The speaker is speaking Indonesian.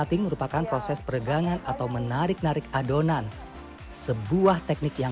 terlalu panas bisa membuat ragi mati dan sulit mengembang